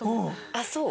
あっそう？